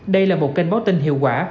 đây là một kênh báo tin hiệu quả